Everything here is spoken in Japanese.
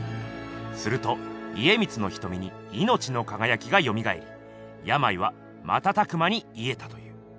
すると家光のひとみにいのちのかがやきがよみがえりやまいはまたたく間にいえたという。